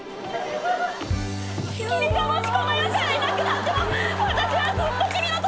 君がもしこの世からいなくなっても私はずっと君の隣にいるよ。